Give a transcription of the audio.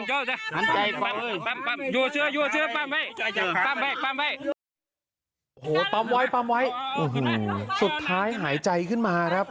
โอ้โฮปั๊มไว้สุดท้ายหายใจขึ้นมา